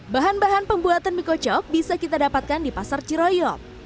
bahan bahan pembuatan mie kocok bisa kita dapatkan di pasar ciroyok